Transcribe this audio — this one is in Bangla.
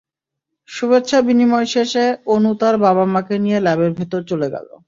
শুভেচ্ছা বিনিময় শেষে, অনু তাঁর বাবা-মাকে নিয়ে ল্যাবের ভেতরে চলে গেল।